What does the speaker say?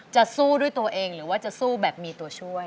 จะสู้ด้วยตัวเองหรือว่าจะสู้แบบมีตัวช่วย